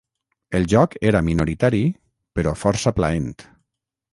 El joc era minoritari, però força plaent.